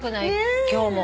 今日も。